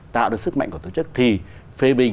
tạo được sức mạnh của tổ chức thì phê bình